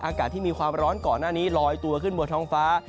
อากาศที่มีความร้อนก่อนหน้านี้ลอยตัวขึ้นบนท้องฟ้า